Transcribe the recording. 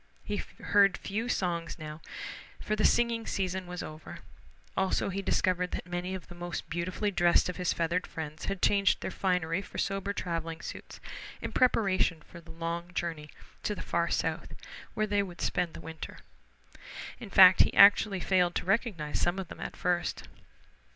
He heard few songs now, for the singing season was over. Also he discovered that many of the most beautifully dressed of his feathered friends had changed their finery for sober traveling suits in preparation for the long journey to the far South where they would spend the winter. In fact he actually failed to recognize some of them at first.